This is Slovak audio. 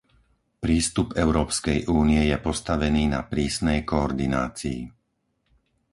Prístup Európskej únie je postavený na prísnej koordinácii.